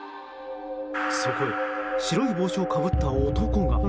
そこへ白い帽子をかぶった男が。